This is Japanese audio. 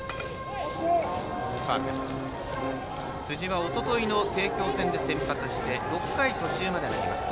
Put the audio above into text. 辻はおとといの帝京戦で先発して６回途中まで投げました。